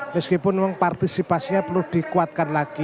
meskipun memang partisipasinya perlu dikuatkan lagi